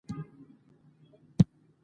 خپل تولیدات وکاروئ.